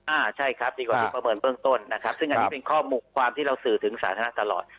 อ่าใช่ครับดีกว่าที่ประเมินเบื้องต้นนะครับซึ่งอันนี้เป็นข้อมูลความที่เราสื่อถึงสาธารณะตลอด